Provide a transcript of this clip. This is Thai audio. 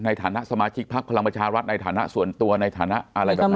ในฐานะสมาชิกพักพลังประชารัฐในฐานะส่วนตัวในฐานะอะไรแบบนั้น